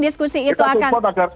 diskusi itu akan